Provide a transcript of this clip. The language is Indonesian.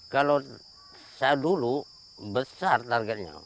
kalau saya dulu besar targetnya